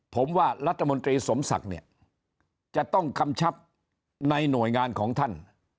ผมว่ารัฐมนตรีสมศักดิ์เนี่ยจะต้องกำชับในหน่วยงานของท่าน